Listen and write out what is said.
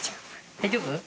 大丈夫？